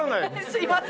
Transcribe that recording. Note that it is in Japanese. すいません！